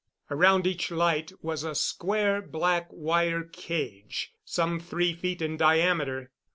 Around each light was a square black wire cage some three feet in diameter.